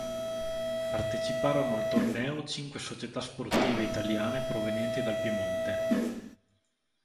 Parteciparono al torneo cinque società sportive italiane provenienti dal Piemonte.